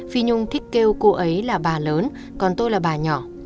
phi nhung thích kêu cô ấy là bà lớn còn tôi là bà nhỏ